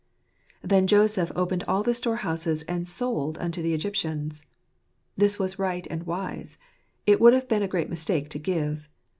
"Then Joseph opened all the storehouses and sold unto the Egyptians." This was right and wise. It would have been a great mistake to give.